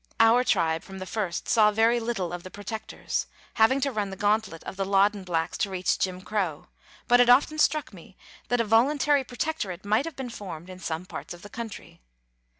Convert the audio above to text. Our tribe from the first saw very little of the Protectors, having to run the gauntlet of the Loddon blacks . to reach Jim Crow, but it often struck me that a voluntary protectorate might have been formed in some parts of the country.